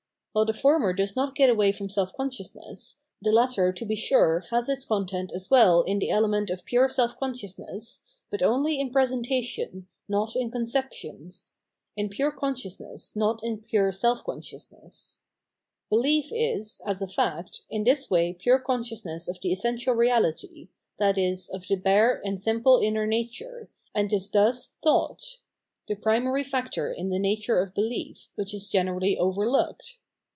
While the former does not get away from self consciousness, the latter to be sure has its content as well in the element of pure self consciousness, but only in presentation, not in conceptions — m pure consciousness, not in pure self consciousness. Behef is, as a fact, in this way pure * Tror.+ • pnvo aoTA ia tlip nh«nlntp nnitv of aoDerceDtion. 539 Belief and, Pure Insight consciousness of the essential reality, i.e. of the hare and simple inner nature, and is thus thought — ^the primary factor in the nature of belief, which is generally overlooked.